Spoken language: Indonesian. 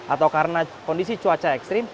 atau karena kondisi cuaca ekstrim